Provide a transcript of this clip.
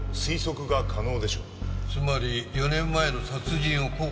つまり４年前の殺人を後悔して？